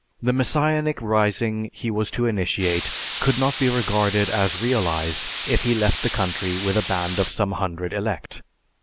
The Messianic rising he was to initiate could not be regarded as realized if he left the country with a band of some hundred elect.